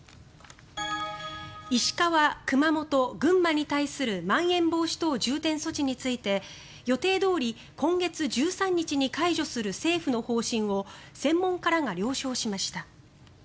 石川、熊本、群馬に対するまん延防止等重点措置について予定どおり今月１３日に解除する政府の方針を専門家らが了承しました。